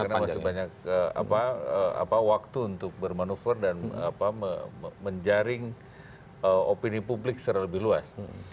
karena masih banyak waktu untuk bermanuver dan menjaring opini publik secara lebih luas